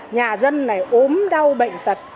nhà dân này ốm đau bệnh tật